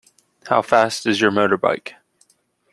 How fast is your motorbike?